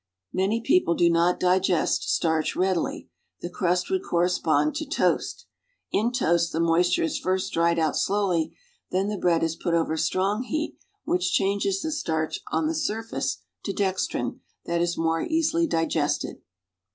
Many people do not digest starch readily. The crust would correspond to toast. In toast, the moisture is first dried out slowly, then the bread is put over strong heat which changes the starch on the surface to dextrin that is more easily digested.